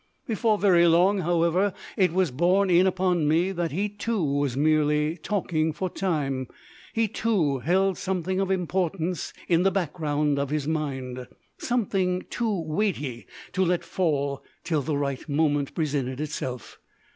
Before very long, however, it was borne in upon me that he too was merely talking for time. He too held something of importance in the background of his mind, something too weighty to let fall till the right moment presented itself.